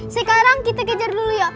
sekarang kita kejar dulu ya